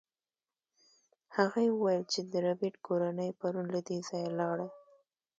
هغې وویل چې د ربیټ کورنۍ پرون له دې ځایه لاړه